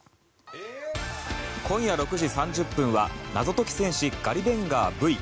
今夜６時３０分は「謎解き戦士！ガリベンガーＶ」。